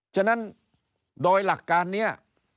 ฉะนั้นโดยหลักการนี้